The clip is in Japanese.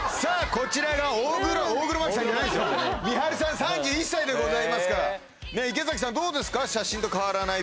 こちらが大黒大黒摩季さんじゃないですよＭＩＨＡＲＵさん３１歳でございますから池崎さんどうですか？